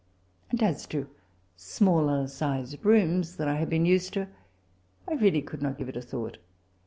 And as to smaller sized rooms than I bad been used to^ I really oould not give it a thought.